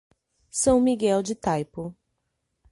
São Miguel de Taipu